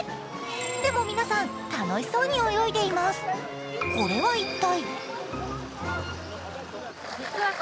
でも皆さん、楽しそうに泳いでいます、これは一体？